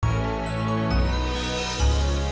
jangan lupa subscribe channel ini